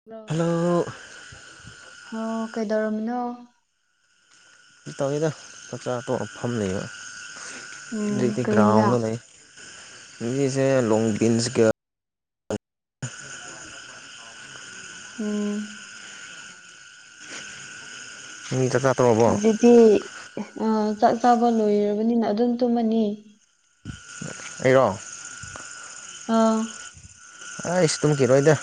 Hello hello ꯑꯣ ꯀꯩꯗꯧꯔꯝꯃꯤꯅꯣ ꯇꯧꯋꯦꯗ ꯆꯛꯆꯥꯇꯣꯛ ꯑꯒ ꯐꯝ ꯂꯩꯕ ꯎꯝ ꯑꯩꯗꯤ ꯀꯔꯤ ꯏꯟꯖꯥꯡ ꯒ꯭ꯔꯥꯎꯗ ꯂꯩ ꯉꯁꯤꯁꯦ ꯂꯣꯡꯕꯤꯟꯁ ꯀꯥ ꯎꯝ ꯅꯪꯗꯤ ꯆꯥꯛꯆꯥ ꯇꯣꯛꯑꯕꯣ ꯑꯗꯨꯗꯤ ꯑ ꯆꯥꯛ ꯆꯥꯕ ꯂꯣꯏꯔꯕꯅꯤꯅ ꯑꯗꯨꯝ ꯇꯨꯝꯃꯅꯤ ꯑꯩꯔꯣ ꯑꯥ ꯑꯩꯁ ꯇꯨꯝꯈꯤꯔꯣꯏꯗ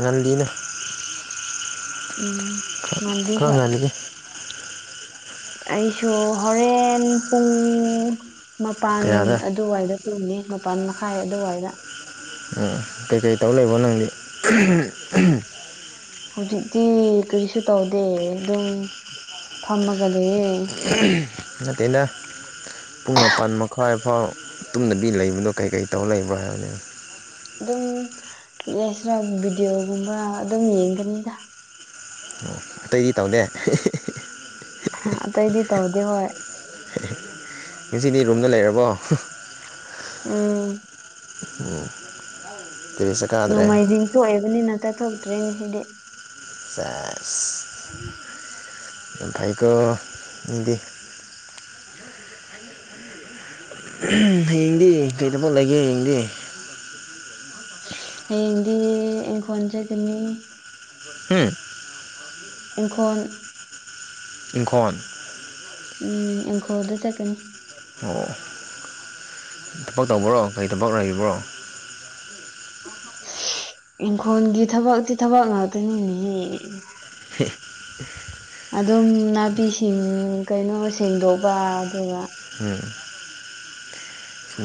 ꯉꯜꯂꯤꯅ ꯎꯝ ꯉꯜꯂꯤ ꯈꯔ ꯍꯣꯏ ꯉꯜꯂꯤ ꯑꯩꯁꯨ ꯍꯣꯔꯦꯟ ꯄꯨꯡ ꯃꯄꯥꯟ ꯀꯌꯥꯗ ꯑꯗꯨꯋꯥꯏꯗ ꯇꯨꯝꯅꯤ ꯃꯄꯥꯟ ꯃꯈꯥꯏ ꯑꯗꯨꯋꯥꯏꯗ ꯑ ꯀꯩꯀꯩ ꯇꯧ ꯂꯩꯕꯣ ꯅꯪꯗꯤ ꯑꯍꯝ ꯑꯍꯝ ꯍꯧꯖꯤꯛꯇꯤ ꯀꯔꯤꯁꯨ ꯇꯧꯗꯦ ꯑꯗꯨꯝ ꯐꯝꯃꯒ ꯂꯩꯌꯦ ꯅꯠꯇꯦꯗ ꯄꯨꯡ ꯃꯄꯜ ꯃꯈꯥꯏ ꯐꯥꯎ ꯇꯨꯝꯗꯕꯤ ꯂꯩꯕꯗꯣ ꯀꯩꯀꯩ ꯇꯧꯔ ꯂꯩꯕ ꯍꯥꯏꯕꯅꯤ ꯎꯝ ꯌꯥꯁꯔ ꯚꯤꯗꯤꯑꯣꯒꯨꯝꯕ ꯑꯗꯨꯝ ꯌꯦꯡꯒꯅꯤꯗ ꯑꯣ ꯑꯇꯩꯗꯤ ꯇꯧꯅꯦ ꯏꯍꯤ ꯍꯤ ꯍꯤ ꯑꯇꯩꯗꯤ ꯇꯧꯗꯦ ꯍꯣꯏ ꯉꯁꯤꯗꯤ ꯔꯨꯝꯗ ꯂꯩꯔꯕꯣ ꯎꯝ ꯎꯝ ꯅꯣꯡꯃꯥꯏꯖꯤꯡꯁꯨ ꯑꯣꯏꯑꯕꯅꯤꯅ ꯆꯠꯊꯣꯛꯇ꯭ꯔꯤꯅꯦ ꯉꯁꯤꯗꯤ ꯁꯦꯁ ꯌꯝꯐꯩꯀꯣ ꯃꯤꯗꯤ ꯍꯌꯦꯡꯗꯤ ꯀꯩ ꯊꯕꯛ ꯂꯩꯒꯦ ꯍꯌꯦꯡꯗꯤ ꯍꯌꯦꯡꯗꯤ ꯏꯡꯈꯣꯟ ꯆꯠꯀꯅꯤ ꯎꯝ ꯏꯪꯈꯣꯜ ꯏꯪꯈꯣꯟ ꯎꯝ ꯏꯪꯈꯣꯜꯗ ꯆꯠꯀꯅꯤ ꯑꯣ ꯊꯕꯛ ꯇꯧꯕ꯭ꯔꯣ ꯀꯔꯤ ꯊꯕꯛ ꯂꯩꯕ꯭ꯔꯣ ꯏꯪꯈꯣꯜꯒꯤ ꯊꯕꯛꯇꯤ ꯊꯕꯛ ꯉꯥꯛꯇꯅꯤꯅꯦꯍꯦ ꯍꯦ ꯑꯗꯨꯝ ꯅꯥꯄꯤꯁꯤꯡ ꯀꯩꯅꯣ ꯁꯦꯡꯗꯣꯛꯄ ꯑꯗꯨꯒ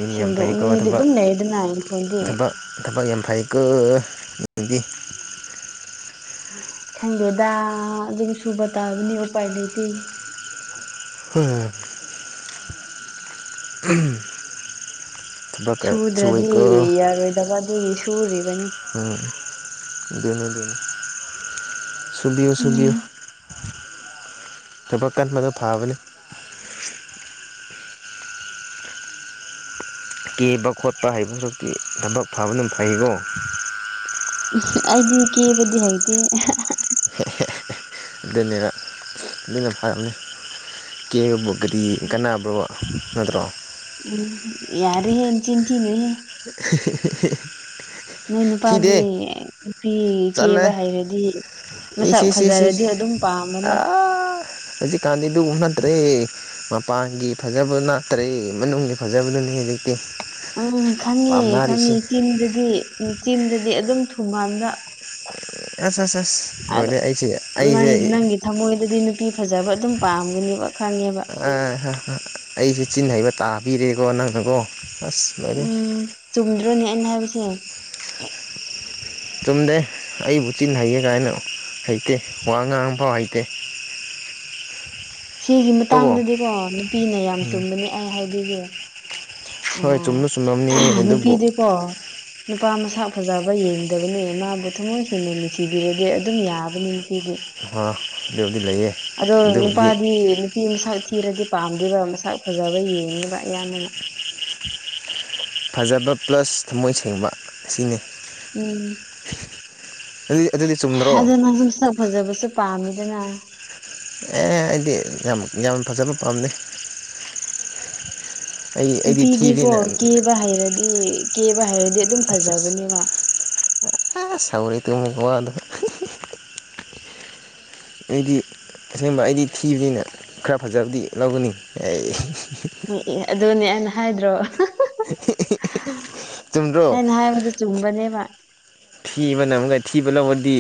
ꯏ ꯌꯥꯝ ꯐꯩꯀꯣ ꯁꯦꯡꯗꯣꯛꯅꯤꯡꯉꯥꯏꯗꯤ ꯊꯕꯛ ꯑꯗꯨꯝ ꯂꯩꯌꯦꯗꯅ ꯏꯪꯈꯣꯜꯗꯤ ꯊꯕꯛ ꯊꯕꯛ ꯌꯥꯝ ꯐꯩꯀꯣ ꯃꯤꯗꯤ ꯈꯪꯗꯦꯗ ꯑꯗꯨꯝ ꯁꯨꯕ ꯇꯥꯕꯅꯤ ꯎꯄꯥꯏ ꯂꯩꯇꯦ ꯎꯝ [inaudible] ꯊꯕꯛꯀ ꯁꯨꯗ꯭ꯔꯥꯗꯤ ꯁꯨꯋꯦꯀꯣ ꯌꯥꯔꯣꯏꯗꯕ ꯑꯗꯨꯒꯤ ꯁꯨꯔꯤ ꯎꯝ ꯑꯗꯨꯅꯤ ꯗꯨꯅꯤ ꯁꯨꯕꯤꯌꯨ ꯁꯨꯕꯤꯌꯨ ꯎꯝ ꯊꯕꯛ ꯀꯟꯕꯗꯣ ꯐꯥꯕꯅꯤ ꯀꯦꯕ ꯈꯣꯠꯄ ꯍꯩꯕ ꯁꯔꯨꯛꯇꯤ ꯊꯕꯛ ꯐꯕꯅ ꯐꯩꯀꯣ ꯑꯩꯗꯤ ꯀꯦꯕꯗꯤ ꯍꯩꯇꯦ [inaudible] [inaudible] ꯑꯗꯨꯅꯦꯕ ꯑꯗꯨꯅ ꯐꯔꯝꯅꯤ ꯀꯦꯕꯕꯨ ꯀꯔꯤ ꯀꯟꯅꯕ꯭ꯔꯣ ꯅꯠꯇ꯭ꯔꯣ ꯎꯝ ꯌꯥꯔꯦ ꯍꯦ ꯆꯤꯟꯊꯤꯅꯨ ꯍꯦ [inaudible] ꯅꯣꯏ ꯅꯨꯄꯥꯗꯤ ꯊꯤꯗꯦ ꯅꯨꯄꯤ ꯆꯠꯂꯦ ꯀꯦꯕ ꯍꯩꯔꯗꯤ ꯃꯁꯛ ꯏꯁ ꯏꯁ ꯏꯁ ꯐꯖꯔꯗꯤ ꯏꯁ ꯑꯗꯨꯝ ꯄꯥꯝꯕꯅꯤ ꯑꯥ ꯍꯧꯖꯤꯛꯀꯥꯟꯗꯤ ꯑꯗꯨ ꯅꯠꯇ꯭ꯔꯦ ꯃꯄꯥꯟꯒꯤ ꯐꯖꯕ ꯅꯠꯇ꯭ꯔꯦ ꯃꯅꯨꯡꯒꯤ ꯐꯖꯕꯗꯨ ꯍꯨꯖꯤꯛꯇꯤ ꯎꯝ ꯈꯪꯉꯦ ꯈꯪꯉꯦ ꯆꯤꯟꯗꯨꯗꯤ ꯎ ꯆꯤꯟꯗꯨꯗꯤ ꯑꯗꯨꯝ ꯊꯨꯝꯃꯟꯕ ꯑꯁ ꯑꯁ ꯑꯁ ꯑꯗꯨ ꯂꯣꯏꯔꯦ ꯑꯩꯁꯦ ꯑꯩꯁꯦ ꯅꯩ ꯅꯪꯒꯤ ꯊꯃꯣꯏꯗꯗꯤ ꯅꯨꯄꯤ ꯐꯖꯕ ꯑꯗꯨꯝ ꯄꯥꯝꯒꯅꯦꯕ ꯈꯪꯉꯦꯕ ꯑ ꯑꯩꯁꯨ ꯆꯤꯟ ꯍꯩꯕ ꯇꯥꯕꯤꯔꯦꯀꯣ ꯅꯪꯅꯀꯣ ꯑꯁ ꯂꯣꯏꯔꯦ ꯑꯗꯨꯅꯤ ꯑꯩꯅ ꯍꯥꯏꯕꯁꯦ ꯆꯨꯝꯗꯦ ꯑꯩꯕꯨꯆꯤꯟ ꯍꯩꯌꯦ ꯀꯥꯏꯅ ꯍꯩꯇꯦ ꯋꯥ ꯉꯥꯡꯐꯧ ꯍꯩꯇꯦ ꯁꯤꯒꯤ ꯇꯣꯀꯣ ꯃꯇꯥꯡꯗꯗꯤꯀꯣ ꯅꯨꯄꯤꯅ ꯌꯥꯝ ꯆꯨꯝꯕꯅꯤ ꯑꯩ ꯍꯥꯏꯕꯤꯒꯦ ꯑ ꯍꯣꯏ ꯆꯨꯝꯅ ꯆꯨꯝꯂꯝꯅꯤ ꯑꯍꯝ ꯑꯗꯨꯕꯨ ꯅꯨꯄꯤꯗꯤꯀꯣ ꯅꯨꯄꯥ ꯃꯁꯛ ꯐꯖꯕ ꯌꯦꯡꯗꯕꯅꯦ ꯃꯥꯕꯨ ꯊꯝꯃꯣꯏ ꯁꯦꯡꯅ ꯅꯨꯡꯁꯤꯕꯤꯔꯗꯤ ꯑꯗꯨꯝ ꯌꯥꯕꯅꯦ ꯅꯨꯄꯤꯗꯤ ꯑꯗꯨꯕꯨꯗꯤ ꯂꯩꯌꯦ ꯑꯗꯣ ꯑꯗꯨꯕꯨꯗꯤ ꯅꯨꯄꯥꯗꯤ ꯅꯨ ꯄꯤ ꯃꯁꯛ ꯊꯤꯔꯗꯤ ꯄꯥꯝꯗꯦꯕ ꯃꯁꯛ ꯐꯖꯕ ꯌꯦꯡꯉꯤꯕ ꯑꯌꯥꯝꯕꯅ ꯐꯖꯕ ꯄ꯭ꯂꯁ ꯊꯝꯃꯣꯏ ꯁꯦꯡꯕ ꯁꯤꯅꯤ ꯎꯝ ꯑꯗꯨꯗꯤ ꯑꯗꯨꯗꯤ ꯆꯨꯝꯗ꯭ꯔꯣ ꯑꯗꯨ ꯅꯪꯁꯨ ꯃꯁꯛ ꯐꯖꯕꯁꯨ ꯄꯥꯝꯃꯤꯗꯅ ꯑꯦ ꯑꯩꯗꯤ ꯌꯥꯝ ꯌꯥꯝ ꯐꯖꯕ ꯄꯥꯝꯗꯦ ꯑꯩ ꯑꯩꯗꯤ ꯅꯨꯄꯤꯗꯤꯀꯣ ꯊꯤꯕꯅꯤꯅ ꯀꯦꯕ ꯍꯩꯔꯗꯤ ꯀꯦꯕ ꯍꯩꯔꯗꯤ ꯑꯗꯨꯝ ꯑꯁ ꯑꯁ ꯐꯖꯕꯅꯦꯕ ꯑꯁ ꯍꯩꯔꯦ ꯇꯨ [unintelligible] ꯑꯩꯗꯤ ꯑꯁꯦꯡꯕ ꯑꯩꯗꯤ ꯊꯤꯕꯅꯤꯅ ꯈꯔ ꯐꯖꯕꯗꯤ ꯂꯧꯒꯅꯤ ꯑꯩ [inaudible] ꯎ ꯑꯦ ꯑꯗꯨꯅꯦ ꯑꯩꯅ ꯍꯥꯏꯗ꯭ꯔꯣ [inaudible] ꯆꯨꯝꯗ꯭ꯔꯣ ꯑꯩꯅ ꯍꯥꯏꯕꯗꯨ ꯆꯨꯝꯕꯅꯦꯕ ꯊꯤꯕꯅ ꯑꯃꯨꯀ ꯊꯤꯕ ꯂꯧꯕꯗꯤ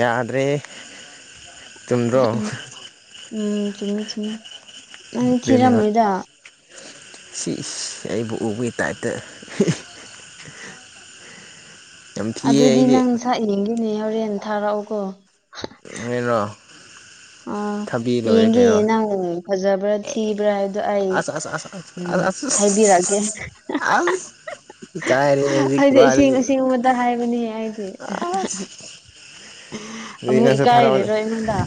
ꯌꯥꯗ꯭ꯔꯦꯍꯦ ꯆꯨꯝꯗ꯭ꯔꯣ ꯎꯝ ꯆꯨꯝꯃꯤ ꯆꯨꯝꯃꯤ ꯎꯪ ꯑꯗꯨꯅꯦꯕ ꯊꯤꯔꯝꯃꯣꯏꯗ ꯁꯤ ꯑꯩꯕꯨ ꯎꯕꯒꯤ ꯇꯥꯏꯞꯇ ꯌꯥꯝ ꯊꯤꯌꯦ ꯑꯗꯨꯗꯤ ꯑꯩꯗꯤ ꯅꯪ ꯁꯛ ꯌꯦꯡꯒꯤꯅꯦ ꯍꯣꯔꯦꯟ ꯊꯥꯔꯛꯎꯀꯣ ꯑꯩꯔꯣ ꯑꯥ ꯌꯦꯡꯒꯦ ꯅꯪ ꯐꯖꯕ꯭ꯔꯥ ꯊꯤꯕ꯭ꯔꯥ ꯍꯥꯏ ꯕꯗꯨ ꯑꯩ ꯑꯁ ꯑꯁ ꯑꯁ ꯑꯁ ꯎꯝ ꯑꯁ ꯑꯁ ꯍꯥꯏꯕꯤꯔꯛꯒꯦ ꯑꯁ ꯏꯀꯥꯏꯔꯦ ꯍꯧꯖꯤꯛꯀꯤ ꯑꯩꯗꯤ ꯑꯁꯦꯡ ꯋꯥꯗꯨꯗꯤ ꯑꯁꯦꯡꯕꯇ ꯍꯥꯏꯕꯅꯦ ꯑꯩꯗꯤ ꯑꯁ ꯑꯗꯨꯗꯤ ꯑꯃꯨꯛ ꯅꯪꯁꯨ ꯊꯥꯔꯛꯑꯣꯅꯦ ꯏꯀꯥꯏꯔꯔꯣꯏ ꯑꯩꯉꯣꯟꯗ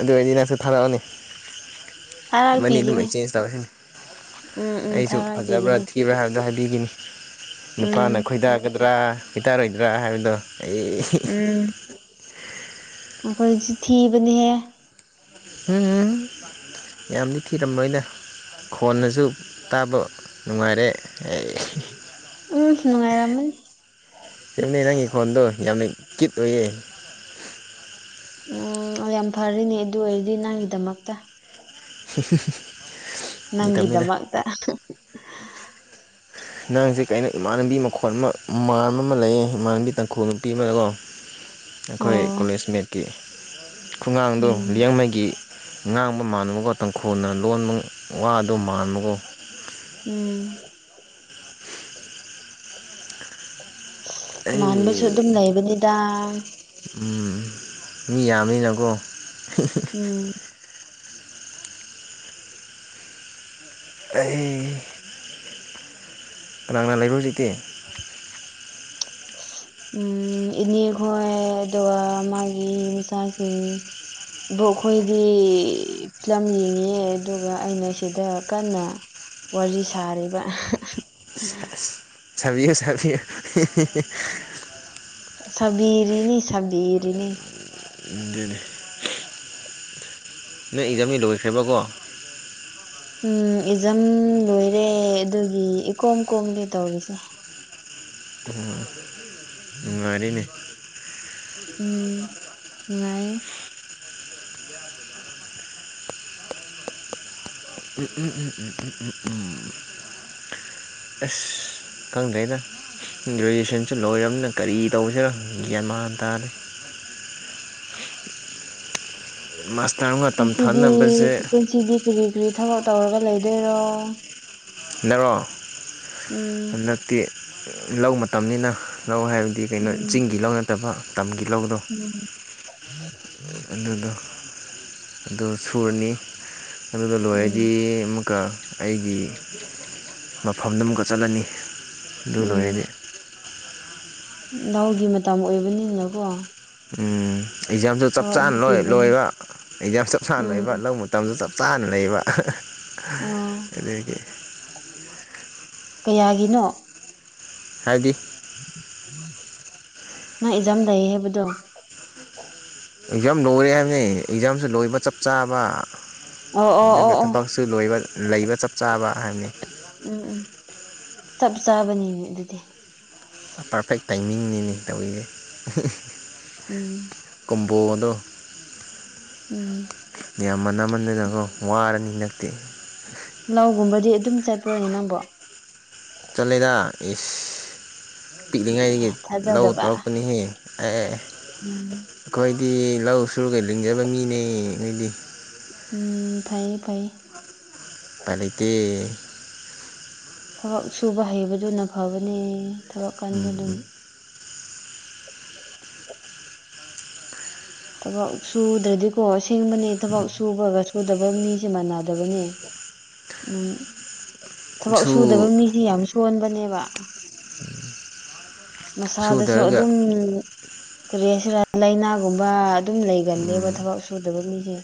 ꯑꯗꯨ ꯑꯣꯢꯗꯤ ꯅꯪꯁꯨ ꯊꯥꯔꯛꯑꯣꯅꯦ ꯃꯅꯤ ꯑꯗꯨꯝ ꯊꯥꯔꯛꯄꯤꯒꯅꯤ ꯑꯩꯛꯆꯦꯟꯖ ꯇꯧꯔꯁꯤꯅꯤ ꯎꯝ ꯎꯝ ꯑꯩꯁꯨ ꯐꯖꯕ꯭ꯔꯥ ꯊꯥꯔꯛꯄꯤꯒꯅꯤ ꯊꯤꯕ꯭ꯔꯥ ꯍꯥꯏꯕꯗꯣ ꯍꯥꯏ ꯅꯨꯄꯤꯒꯤꯅꯤ ꯎꯝ ꯅꯨꯄꯥꯅ ꯈꯣꯏꯗꯥꯒꯗ꯭ꯔꯥ ꯈꯣꯏꯗꯥꯔꯣꯏꯗ꯭ꯔꯥ ꯍꯥꯏꯕꯗꯣ ꯑꯩ ꯑꯈꯣꯏꯁꯨ ꯊꯤꯕꯅꯤ ꯍꯦ ꯎꯝ ꯎꯝ ꯌꯥꯝꯗꯤ ꯊꯤꯔꯝꯃꯣꯏꯅ ꯈꯣꯟꯅꯁꯨ ꯇꯥꯕ ꯅꯨꯡꯉꯥꯏꯔꯦ ꯑꯩ ꯎꯝ ꯅꯨꯡꯉꯥꯏꯔꯝꯃꯅꯤ ꯆꯦꯅꯦ ꯅꯪꯒꯤ ꯈꯣꯟꯗꯣ ꯌꯥꯝꯅ ꯀ꯭ꯌꯨꯠ ꯑꯣꯏꯌꯦ ꯎꯝ ꯌꯥꯝ ꯐꯔꯦꯅꯦ ꯑꯗꯨ ꯑꯣꯏꯔꯗꯤ ꯅꯪꯒꯤꯗꯃꯛꯇ ꯍ ꯍ ꯍꯨꯝ ꯅꯪꯒꯤꯗꯃꯛꯇ ꯅꯡꯁꯦ ꯀꯩꯅꯣ ꯏꯃꯥꯟꯅꯕꯤ ꯃꯈꯣꯜ ꯑꯃ ꯃꯥꯟꯕ ꯑꯃ ꯂꯩꯌꯦ ꯏꯃꯥꯟꯅꯕꯤ ꯇꯥꯡꯈꯨꯜ ꯅꯨꯄꯤ ꯑꯃ ꯀꯣ ꯑꯩꯈꯣꯏ ꯑꯣ ꯀꯣꯂꯦꯖꯃꯦꯠꯀꯤ ꯈꯨꯡꯒꯥꯡꯗꯣ ꯎꯝ ꯂꯤꯌꯥꯡꯃꯩꯒꯤ ꯉꯥꯡꯕ ꯃꯥꯟꯅꯕꯀꯣ ꯇꯥꯡꯈꯨꯜ ꯂꯣꯟꯕ ꯋꯥꯗꯣ ꯃꯥꯟꯕꯒꯣ ꯎꯝ ꯃꯥꯟꯕꯁꯨ ꯑꯩ ꯑꯗꯨꯝ ꯂꯩꯕꯅꯤꯗ ꯃꯤ ꯌꯥꯝꯃꯤꯅꯀꯣ ꯎꯝ ꯑꯩ ꯀꯅꯥ ꯂꯩꯕ꯭ꯔ ꯍꯨꯖꯤꯛꯇꯤ [inaudible] ꯎꯝ ꯏꯅꯦꯈꯣꯏ ꯑꯗꯨꯒ ꯃꯥꯒꯤ ꯃꯆꯥꯁꯤꯡ ꯕꯣꯛ ꯈꯣꯏꯗꯤ ꯂꯝ ꯌꯦꯡꯉꯦ ꯑꯗꯨꯒ ꯑꯩꯅ ꯁꯤꯗ ꯀꯟꯅ ꯋꯥꯔꯤ ꯁꯥꯔꯤꯕ ꯁꯥꯕꯤꯌꯨ ꯁꯥꯕꯤꯌꯨ ꯁꯕꯤꯔꯤꯅꯤ ꯁꯕꯤꯔꯤꯅꯤ ꯗꯨꯅꯤ ꯅꯪ ꯑꯦꯛꯖꯥꯥꯝꯗꯤ ꯂꯣꯏꯈ꯭ꯔꯦꯕꯀꯣ ꯎꯝ ꯑꯦꯛꯖꯥꯝ ꯂꯣꯏꯔꯦ ꯑꯗꯨꯒꯤ ꯏꯀꯣꯝ ꯀꯣꯝꯂꯤ ꯇꯧꯔꯤꯁꯦ ꯅꯨꯡꯉꯥꯏꯔꯤꯅꯦ ꯎꯝ ꯅꯨꯡꯉꯥꯏꯌꯦ ꯎꯝ ꯎꯝ ꯎꯝ ꯎꯝ ꯎꯝ ꯎꯝ ꯎꯝ ꯑꯁ ꯈꯪꯗꯔ꯭ꯦꯗꯥ ꯒ꯭ꯔꯦꯖꯨꯌꯦꯁꯟꯁꯨ ꯂꯣꯏꯔꯕꯅꯤꯅ ꯀꯔꯤ ꯇꯧꯁꯤꯔ ꯒ꯭ꯌꯥꯟ ꯃꯥꯟ ꯇꯥꯗ꯭ꯔꯦ ꯃꯁ ꯉꯁꯤꯗꯤ ꯄꯨꯟꯁꯤꯗꯤ ꯀꯔꯤ ꯀꯔꯤ ꯊꯕꯛ ꯇꯧꯔꯒ ꯂꯩꯗꯣꯏꯔꯣ ꯅꯔꯣ ꯎꯝ ꯍꯟꯗꯛꯇꯤ ꯂꯧ ꯃꯇꯝꯅꯤꯅ ꯂꯧ ꯍꯥꯏꯕꯗꯤ ꯀꯩꯅꯣ ꯎꯝ ꯆꯤꯡꯒꯤ ꯂꯧ ꯅꯠꯇꯕ ꯇꯝꯒꯤ ꯂꯧꯗꯣ ꯎꯝ [inaudible] ꯑꯗꯨꯗꯣ ꯑꯗꯨ ꯁꯨꯔꯅꯤ ꯑꯗꯨꯒ ꯎꯝ ꯂꯣꯏꯔꯗꯤ ꯑꯃꯨꯛꯀ ꯑꯩꯒꯤ ꯃꯐꯝꯗ ꯑꯃꯨꯛꯀ ꯆꯠꯂꯅꯤ ꯗꯨ ꯎꯝ ꯂꯣꯏꯔꯗꯤ ꯂꯧꯒꯤ ꯃꯇꯝ ꯑꯣꯏꯕꯅꯤꯅꯀꯣ ꯎꯝ ꯑꯦꯛꯖꯥꯝꯁꯨ ꯆꯞ ꯊꯕꯛ ꯆꯥꯅ ꯑꯃ ꯂꯣꯏ ꯆꯤꯟꯗꯣꯏꯅꯤ ꯂꯣꯏꯕ ꯑꯦꯛꯖꯥꯝ ꯆꯞ ꯆꯥꯅ ꯂꯣꯏꯕ ꯎꯝ ꯂꯧ ꯃꯇꯝꯁꯨ ꯆꯞ ꯆꯥꯟꯅ ꯂꯩꯕ ꯑꯣ ꯑꯗꯒꯤ ꯀꯌꯥꯒꯤꯅꯣ ꯍꯥꯏꯕꯗꯤ ꯅꯪ ꯑꯦꯛꯖꯥꯥꯝ ꯂꯩ ꯍꯥꯏꯕꯗꯣ ꯑꯦꯛꯖꯥꯝ ꯂꯣꯏꯔꯦ ꯍꯥꯏꯕꯅꯤ ꯑꯦꯛꯖꯥꯝꯁꯨ ꯂꯣꯏꯕ ꯆꯞ ꯆꯥꯕ ꯑꯣ ꯑꯣ ꯑꯣ ꯑꯗꯨꯒ ꯑꯣ ꯊꯕꯛꯁꯨ ꯂꯣꯢꯕ ꯂꯩꯕ ꯆꯞ ꯆꯥꯕ ꯍꯥꯏꯕꯅꯤ ꯎꯝ ꯎꯝ ꯆꯞ ꯆꯥꯕꯅꯤꯅꯦ ꯑꯗꯨꯗꯤ ꯄꯥꯔꯐꯦꯛ ꯇꯥꯏꯃꯤꯡꯅꯤꯅꯦ ꯇꯧꯔꯤꯁꯦ ꯎꯝ ꯕꯣꯗꯣ ꯎꯝ ꯌꯥꯝꯃꯟꯃꯟꯗꯅꯀꯣ ꯋꯥꯔꯅꯤ ꯅꯠꯇꯦ ꯂꯧꯒꯨꯝꯕꯗꯤ ꯑꯗꯨꯝ ꯆꯠꯄ꯭ꯔꯣꯅꯦ ꯅꯪꯕꯣ ꯆꯠꯂꯦꯗ ꯏꯁ ꯑꯦ ꯄꯤꯛꯂꯤꯉꯩꯗꯒꯤ ꯂꯧ ꯊꯥꯖꯗꯕ ꯇꯧꯔꯛꯄꯅꯤꯍꯦ ꯑꯦ ꯑꯦ ꯑꯦ ꯎꯝ ꯗꯤ ꯂꯧ ꯁꯨꯔꯒ ꯂꯤꯡꯖꯕ ꯃꯤꯅꯦ ꯑꯩꯗ ꯎꯝ ꯐꯩꯌꯦ ꯐꯩꯌꯦ ꯎꯄꯥꯢ ꯂꯩꯇꯦ ꯊꯕꯛ ꯁꯨꯕ ꯍꯩꯕꯗꯨꯅ ꯐꯕꯅꯦ ꯊꯕꯛ ꯀꯟꯕꯗꯨ ꯊꯕꯛ ꯁꯨꯗ꯭ꯔꯗꯤꯀꯣ ꯑꯁꯦꯡꯕꯅꯦ ꯊꯕꯛ ꯁꯨꯕꯒ ꯁꯨꯗꯕ ꯃꯤꯁꯦ ꯃꯥꯟꯅꯗꯕꯅꯦ ꯎꯝ ꯊꯕꯛ ꯁꯨ ꯁꯨꯗꯕ ꯃꯤꯁ ꯌꯥꯝ ꯁꯣꯟꯕꯅꯦꯕ ꯃꯁꯥꯗꯁꯨ ꯁꯨꯗꯔꯒ ꯑꯗꯨꯝ ꯀꯔꯤꯁꯤ ꯍꯥꯏꯁꯤꯔꯥ ꯂꯥꯏꯅꯥꯒꯨꯝꯕ ꯑꯗꯨꯝ ꯂꯩꯒꯜꯂꯦꯕ ꯎꯝ ꯊꯕꯛ ꯁꯨꯗꯕ ꯃꯤꯁꯦ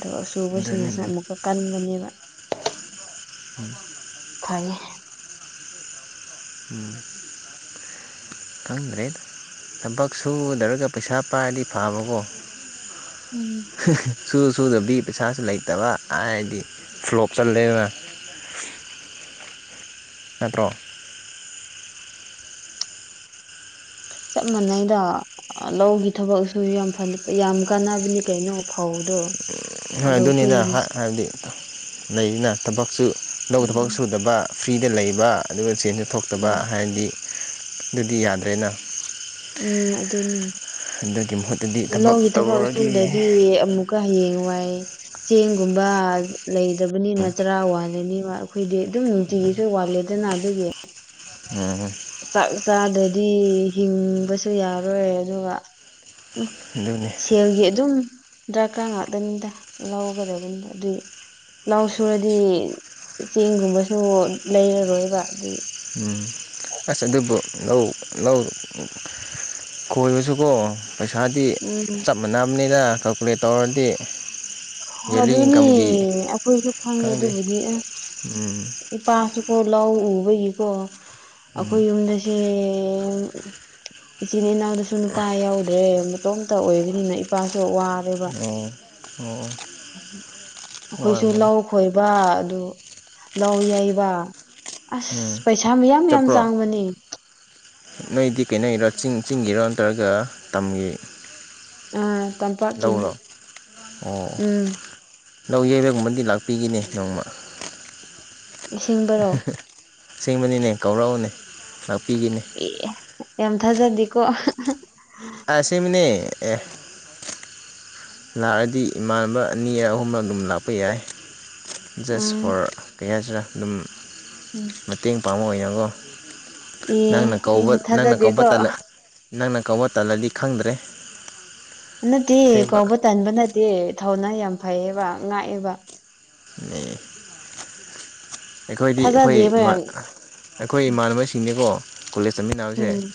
ꯊꯕꯛ ꯑꯗꯨꯅꯤ ꯁꯨꯕꯁꯤꯅꯁꯨ ꯑꯗꯨꯅꯤ ꯑꯃꯨꯛꯀ ꯀꯟ ꯕꯅꯦꯕ ꯐꯩꯌꯦ ꯔꯦ ꯊꯕꯛ ꯁꯨꯗꯔꯒ ꯄꯩꯁꯥ ꯄꯥꯏꯔꯗꯤ ꯐꯕꯀꯣ ꯎꯝ ꯁꯨ ꯁꯨꯗꯕꯤ ꯄꯩꯁꯥꯁꯨ ꯂꯩꯇꯕ ꯍꯥꯏꯗꯤ ꯐ꯭ꯂꯣꯞ ꯆꯠꯂꯦꯕ ꯅꯠꯇ꯭ꯔꯣ [inaudible] ꯆꯞ ꯃꯥꯟꯅꯩꯗ ꯂꯧꯒꯤ ꯊꯕꯛꯁꯨ ꯌꯥꯝ ꯐ ꯌꯥꯝ ꯀꯥꯟꯅꯕꯅꯤ ꯀꯩꯅꯣ ꯐꯧꯗꯣ ꯍꯣꯏ ꯑꯗꯣ ꯑꯗꯨꯅꯤꯅ ꯑꯩꯈꯣꯏ ꯍ ꯍꯥꯏꯕꯗꯤ ꯂꯩꯅ ꯊꯕꯛꯁꯨ ꯂꯧ ꯊꯕꯛ ꯎꯝ ꯁꯨꯗꯕ ꯐ꯭ꯔꯤꯗ ꯂꯩꯕ ꯑꯗꯨꯒ ꯆꯦꯟꯖꯨ ꯊꯣꯛꯇꯕ ꯎꯝ ꯍꯥꯏꯕꯗꯤ ꯑꯗꯨꯗꯤ ꯌꯥꯗ꯭ꯔꯦꯅ ꯎꯝ ꯑꯗꯨꯅꯤ ꯑꯗꯨꯒꯤ ꯃꯍꯨꯠꯇꯗꯤ ꯂꯧꯒꯤ ꯊꯕꯛ ꯇꯧꯔꯒꯦ ꯁꯨꯗꯗꯤ ꯑꯃꯨꯛꯀ ꯍꯌꯦꯡ ꯋꯥꯢ ꯆꯦꯡꯒꯨꯝꯕ ꯂꯩꯇꯕꯅꯤꯅ ꯆꯔꯥ ꯋꯥꯜ ꯅꯤꯕ ꯑꯩꯈꯣꯏꯗꯤ ꯑꯗꯨꯝ ꯅꯨꯡꯇꯤꯒꯤꯁꯨ ꯋꯥꯠꯂꯤꯗꯅ ꯑꯗꯨꯒꯤ ꯎꯝ ꯆꯥꯗꯗꯤ ꯍꯤꯡꯕꯁꯨ ꯌꯥꯔꯣꯏ ꯑꯗꯨꯒ ꯎ ꯑꯗꯨꯅꯤ ꯁꯦꯜꯒꯤ ꯑꯗꯨꯝ ꯗ꯭ꯔꯀꯔꯥ ꯉꯥꯛꯇꯅꯤꯗ ꯂꯧꯒꯗꯕꯅꯤꯗ ꯑꯗꯨꯏ ꯂꯧ ꯁꯨꯔꯗꯤ ꯆꯦꯡꯒꯨꯝꯕꯁꯨ ꯂꯩꯔꯔꯣꯏꯕ ꯑꯗꯨꯗꯒꯤ ꯎꯝ ꯑꯁ ꯑꯗꯨꯕꯨ ꯂꯧ ꯂꯧ ꯀꯣꯏꯕꯁꯨꯀꯣ ꯄꯩꯁꯥꯗꯤ ꯎꯝ ꯆꯞ ꯃꯥꯟꯅꯕꯅꯤꯅ ꯀꯥꯜꯀꯨꯂꯦꯠ ꯇꯧꯔꯗꯤ ꯗꯦꯂꯤ ꯑꯗꯨꯅꯦ ꯏꯟꯀꯝꯒꯤ ꯑꯩꯈꯣꯏꯁꯨ ꯈꯪꯉꯦ ꯈꯪꯗꯦ ꯑꯗꯨꯕꯨꯗꯤ ꯑꯁ ꯎꯝ ꯏꯄꯥꯁꯨꯀꯣ ꯂꯧ ꯎꯕꯒꯤꯀꯣ ꯑꯩꯈꯣꯏ ꯌꯨꯝꯗꯁꯦ ꯑꯦꯝ ꯏꯆꯤꯟ ꯏꯅꯥꯎꯗꯨꯁꯨ ꯅꯨꯄꯥ ꯌꯥꯎꯗ꯭ꯔꯦ ꯃꯇꯣꯝꯇ ꯑꯣꯏꯕꯅꯤꯅ ꯏꯄꯥꯁꯨ ꯋꯥꯔꯦꯕ ꯑꯣ ꯑꯣ ꯑꯈꯣꯏꯁꯨ ꯋꯥꯔꯝꯃꯅꯤ ꯂꯧ ꯈꯣꯏꯕ ꯑꯗꯨ ꯂꯧ ꯌꯩꯕ ꯑꯁ ꯎꯝ ꯄꯩꯁꯥ ꯃꯌꯥꯝ ꯃꯌꯥꯝ ꯆꯠꯄ꯭ꯔꯣ ꯆꯪꯕꯅꯦ ꯅꯣꯏꯗꯤ ꯀꯩꯅꯣꯒꯤꯔꯣ ꯆꯤꯡ ꯆꯤꯡꯒꯤꯔꯣ ꯅꯠꯇ꯭ꯔꯒ ꯇꯝꯒꯤ ꯑꯥ ꯇꯝꯄꯥꯛꯀꯤꯅꯦ ꯂꯧꯔꯣ ꯑꯣ ꯎꯝ ꯂꯧ ꯌꯩꯔꯒꯨꯝꯕꯗꯤ ꯂꯥꯛꯄꯤꯒꯦꯅꯦ ꯅꯣꯡꯃ ꯑꯁꯦꯡꯕꯔꯣ ꯁꯦꯡꯕꯅꯤꯅꯦ ꯀꯧꯔꯛꯎꯅꯦ ꯂꯥꯛꯄꯤꯒꯤꯅꯦ ꯑꯦ ꯌꯥꯝ ꯊꯥꯖꯗꯤꯀꯣ [inaudible] ꯑꯁꯦꯡꯕꯅꯦ ꯑꯦ ꯂꯥꯛꯑꯗꯤ ꯏꯃꯥꯟꯅꯕ ꯑꯅꯤꯔ ꯑꯍꯨꯝ ꯑꯗꯨꯝ ꯂꯥꯛꯄ ꯌꯥꯏ ꯖꯁ ꯎꯝ ꯐꯣꯔ ꯀꯩ ꯍꯥꯢꯁꯤꯔ ꯑꯗꯨꯝ [inaudible] [unintelligible] ꯑꯣꯏꯅꯀꯣ ꯑꯦ ꯅꯪꯅ ꯑꯦ ꯀꯧꯕ ꯅꯪꯅ ꯀꯧꯕ ꯊꯥꯖꯗꯦꯀꯣ ꯇꯥꯜꯂꯦ ꯅꯪꯅ ꯀꯧꯕ ꯇꯜꯂꯗꯤ ꯈꯪꯗ꯭ꯔꯦ ꯅꯠꯇꯦ ꯑꯁꯦꯡꯕ ꯀꯧꯕ ꯇꯟꯕ ꯅꯠꯇꯦ ꯊꯧꯅꯥ ꯌꯥꯝ ꯐꯩꯌꯦꯕ ꯉꯥꯛꯑꯦꯕ ꯅꯦ ꯑꯩꯈꯣꯏꯗꯤ ꯑꯩꯈꯣꯏ ꯊꯥꯖꯗꯦꯕ ꯌꯥꯝ꯫ ꯏꯃꯥꯟ ꯑꯩꯈꯣꯏ ꯏꯃꯥꯟꯅꯕꯁꯤꯡꯗꯤꯀꯣ ꯀꯣꯂꯦꯖ ꯆꯠꯃꯤꯟꯅꯕꯁꯦ ꯎꯝ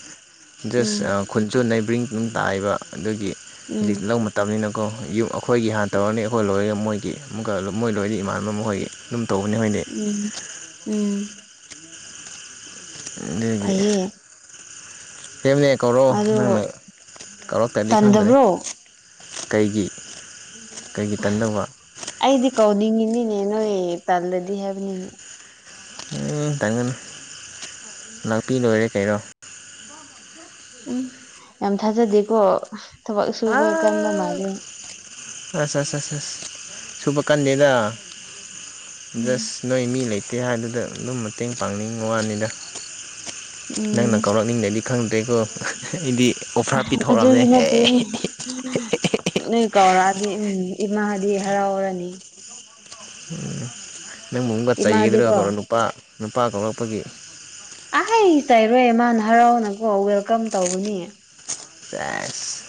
ꯎꯝ ꯗ꯭ꯔꯦꯁ ꯈꯨꯟꯁꯨ ꯅꯥꯢꯕ꯭ꯔꯤꯡ ꯇꯥꯏꯕ ꯑꯗꯨꯒꯤ ꯎꯝ ꯍꯖꯤꯛ ꯂꯧ ꯃꯇꯝꯅꯤꯅ ꯑꯣ ꯑꯩꯈꯣꯏꯒꯤ ꯍꯥꯟꯅ ꯇꯧꯔꯅꯤ ꯑꯩꯈꯣꯏ ꯂꯣꯏꯔꯦ ꯃꯣꯏꯒꯤ ꯑꯃꯨꯛꯀ ꯃꯣꯏ ꯂꯣꯏꯔꯗꯤ ꯏꯃꯥꯟꯅꯕ ꯈꯣꯏꯒꯤ ꯑꯗꯨꯝ ꯇꯧꯕꯅꯤ ꯈꯣꯏꯗꯤ ꯎꯝ ꯎꯝ ꯑꯗꯨꯒꯤ ꯐꯩꯌꯦ ꯁꯦꯡꯕꯅꯦ ꯀꯧꯔꯛꯑꯣ ꯑꯗꯣ ꯅꯪꯅ ꯀꯧꯔꯛꯇ꯭ꯔꯗꯤ ꯈꯪꯗ꯭ꯔꯦ ꯇꯟꯗꯕ꯭ꯔꯣ ꯀꯩꯒꯤ ꯀꯩꯒꯤ ꯇꯟꯗꯧꯕ ꯀꯧꯅꯤꯉꯤꯅꯤꯅꯦ ꯅꯣꯢ ꯇꯜꯂꯗꯤ ꯍꯥꯏꯕꯅꯤꯅꯦ ꯎꯝ ꯇꯟꯒꯅꯣ ꯂꯥꯛꯄꯤ ꯂꯣꯏꯔꯦ ꯀꯩꯅꯣ ꯎꯝ ꯌꯥꯝ ꯊꯥꯖꯗꯦꯀꯣ ꯊꯕꯛ ꯁꯨꯕ ꯀꯟꯕ ꯑꯥ ꯃꯥꯜꯂꯦ ꯑꯁ ꯑꯁ ꯑꯁ ꯁꯨꯕ ꯀꯟꯗꯦꯗ ꯎꯝ ꯖꯁ ꯅꯣꯏ ꯃꯤ ꯂꯩꯇꯦ ꯍꯥꯏꯗꯨꯗ ꯑꯗꯨꯝ ꯃꯇꯦꯡ ꯄꯥꯡꯅꯤꯡꯕ ꯋꯥꯅꯤꯗ ꯎꯝ ꯅꯪꯅ ꯀꯧꯔꯛꯅꯤꯡꯗꯗꯤ ꯈꯪꯗ꯭ꯔꯦꯀꯣ [inaudible] ꯑꯩꯗꯤ ꯑꯣꯐꯔ ꯄꯤꯊꯣꯛꯔꯝꯃꯦ ꯑꯗꯨꯒꯤ ꯅꯠꯇꯦꯃꯤ ꯅꯣꯢ ꯀꯧꯔꯛꯑꯗꯤ ꯎꯝ ꯏꯃꯥꯗꯤ ꯍꯔꯥꯎꯔꯅꯤ ꯅꯪꯕꯨ ꯑꯃꯨꯛꯀ ꯆꯩꯒꯗ꯭ꯔꯕ ꯏꯃꯥꯗꯤꯀꯣ ꯀꯧꯔ ꯅꯨꯄꯥ ꯅꯨꯄꯥ ꯀꯧꯔꯛꯄꯒꯤ ꯆꯩꯔꯣꯢ ꯏꯃꯥꯅ ꯍꯔꯥꯎꯅꯀꯣ ꯋꯦꯜꯀꯝ ꯇꯧꯒꯅꯤ ꯁꯦꯁ